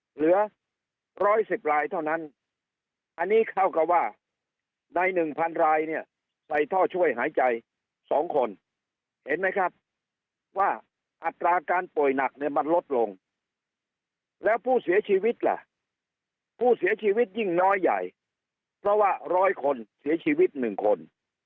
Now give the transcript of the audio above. เหลือ๑๑๐รายเท่านั้นอันนี้เท่ากับว่าใน๑๐๐รายเนี่ยใส่ท่อช่วยหายใจ๒คนเห็นไหมครับว่าอัตราการป่วยหนักเนี่ยมันลดลงแล้วผู้เสียชีวิตล่ะผู้เสียชีวิตยิ่งน้อยใหญ่เพราะว่าร้อยคนเสียชีวิต๑คน